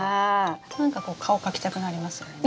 なんかこう顔描きたくなりますよね。